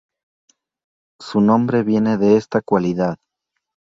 Su nombre viene de esta cualidad.